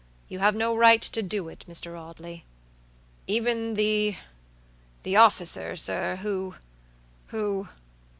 You have no right to do it, Mr. Audley. Even thethe officer, sir, whowho."